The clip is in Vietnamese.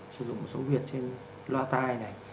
sử dụng một số việt trên loa tai này